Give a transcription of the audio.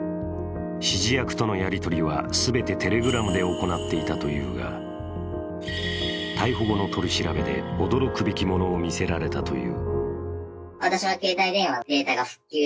指示役とのやり取りは全てＴｅｌｅｇｒａｍで行っていたというが逮捕後の取り調べで驚くべきものを見せられたという。